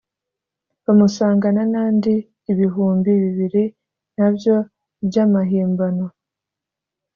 bamusangana n’andi ibihumbi bibiri nabyo by’amahimbano